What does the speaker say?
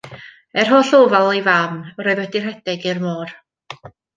Er holl ofal ei fam, yr oedd wedi rhedeg i'r môr.